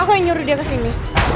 aku yang nyuruh dia kesini